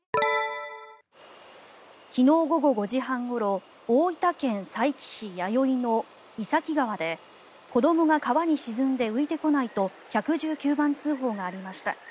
昨日午後５時半ごろ大分県佐伯市弥生の井崎川で子どもが川に沈んで浮いてこないと１１９番通報がありました。